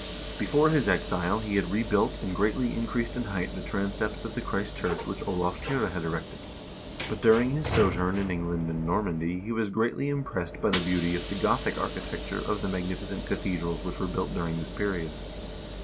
Before his exile he had rebuilt and greatly increased in height the transepts of the Christ church which Olav Kyrre had erected; but during his sojourn in England and Normandy he was greatly impressed by the beauty of the Gothic architecture of the magnificent cathedrals which were built during this period.